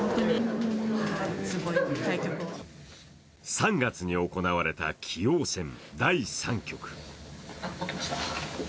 ３月に行われた棋王戦第３局。